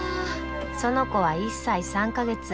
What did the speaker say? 園子は１歳３か月。